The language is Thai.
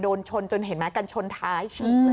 โดนชนจนเห็นมั้ยกันชนท้าย